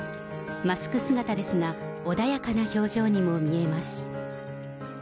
マスク姿ですが、穏やかな表情にも見えます。